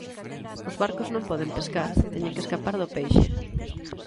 Os barcos non poden pescar, teñen que escapar do peixe.